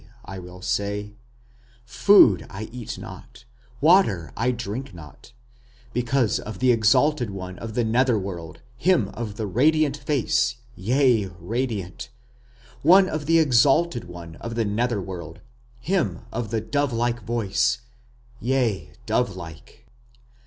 I will say; Food I eat not ... water I drink not ... Because of the exalted one of the nether world, him of the radiant face, yea radiant, Of the exalted one of the nether world, him of the dove like voice, yea dove like.